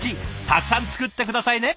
たくさん作ってくださいね！